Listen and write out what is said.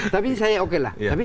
tapi saya oke lah